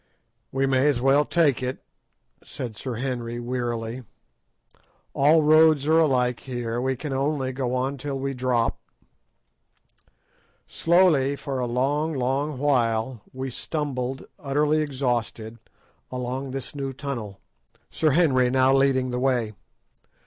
"We may as well take it," said Sir Henry wearily; "all roads are alike here; we can only go on till we drop." Slowly, for a long, long while, we stumbled, utterly exhausted, along this new tunnel, Sir Henry now leading the way.